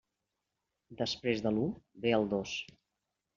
Després de l'u ve el dos.